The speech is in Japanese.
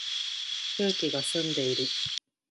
空気が澄んでいる